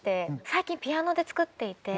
最近ピアノで作っていて。